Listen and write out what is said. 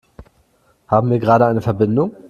Haben wir gerade eine Verbindung?